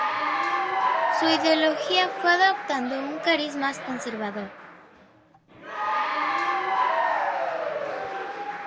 Su ideología fue adoptando un cariz más conservador.